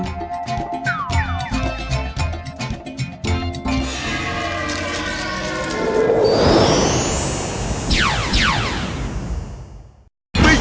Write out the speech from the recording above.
ไม่เชื่ออย่ารับหลุมมูเตรลุไม่เข้าใครออกใคร